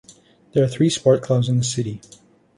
There are three sport clubs in the city.